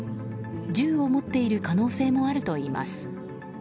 銃を持っている可能性もあるといいます。